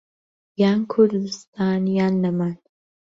یان كوردستان یان نەمان